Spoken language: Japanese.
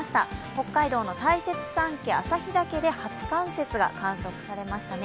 北海道の大雪山系、旭岳で初冠雪が観測されましたね。